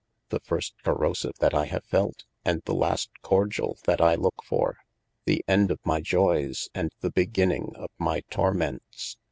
The first corosive that I have felt, and the last cordiall that I looke for, the end of my joyes, and the beginning of my torments.